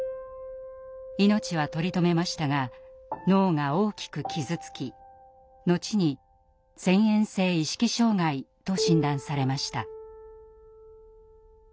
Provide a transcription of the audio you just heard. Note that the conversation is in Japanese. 命は取り留めましたが脳が大きく傷つき後に「遷延性意識障害」と診断されました。